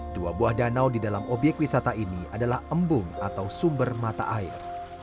dua buah danau di dalam obyek wisata ini adalah embung atau sumber mata air